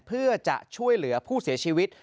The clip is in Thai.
เพื่อจะช่วยเหลือผู้เสียชีวิต